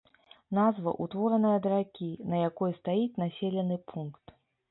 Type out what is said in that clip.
Назва ўтвораная ад ракі, на якой стаіць населены пункт.